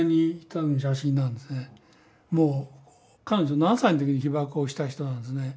もう彼女７歳の時に被ばくをした人なんですね。